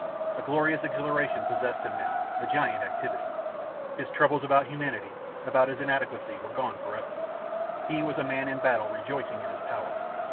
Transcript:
A glorious exhilaration possessed him now, a giant activity. His troubles about humanity, about his inadequacy, were gone for ever. He was a man in battle rejoicing in his power.